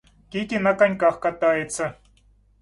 Кити на коньках катается.